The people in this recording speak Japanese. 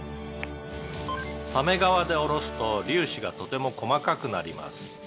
「鮫皮でおろすと粒子がとても細かくなります」